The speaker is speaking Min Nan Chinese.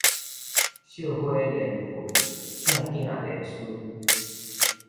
惜花連盆，疼囝連孫